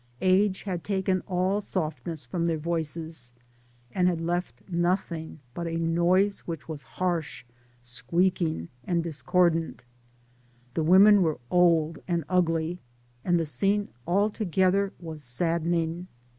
Age had taken all softness from their voices, and had left nothing but a noise which was harsh, squeaking, and dis cordant. The women were old and ugly, and the scene altogether was saddening.